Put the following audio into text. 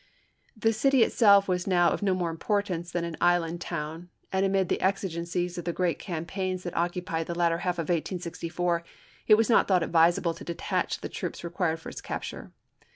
The city itself was now of no more importance than an inland town, and amid the exigencies of the great cam paigns that occupied the latter half of 1864 it was not thought advisable to detach the troops required for its capture.